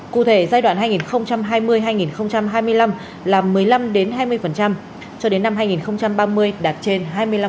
cụ thể giai đoạn hai nghìn hai mươi hai nghìn hai mươi năm là một mươi năm hai mươi cho đến năm hai nghìn ba mươi đạt trên hai mươi năm